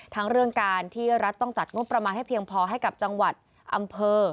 ทั้งเรื่องการที่รัฐต้องจัดงบประมาณให้เพียงพอให้กับจังหวัดอำเภอ